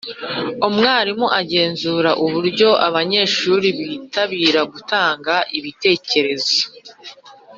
umwarimu agenzura uburyo abanyeshuri bitabira gutanga ibitekerezo